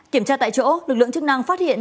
kiểm tra tại chỗ lực lượng chức năng phát hiện